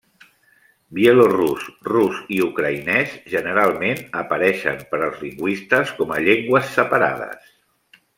Bielorús, rus i ucraïnès generalment apareixen per als lingüistes com a llengües separades.